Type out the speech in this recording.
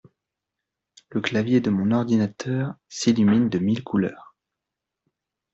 Le clavier de mon ordinateur s’illumine de mille couleurs.